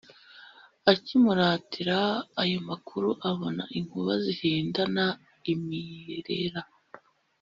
Akimuratira ayo makuru abona inkuba zihindana imirera.